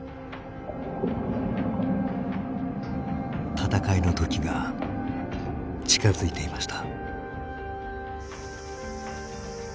戦いの時が近づいていました。